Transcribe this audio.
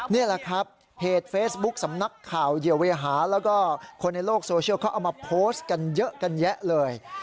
นี่แหละครับเพจเฟซบุ๊คสำนักข่าวเหยื่อเวหาแล้วก็คนในโลกโซเชียลเขาเอามาโพสต์กันเยอะกันแยะเลย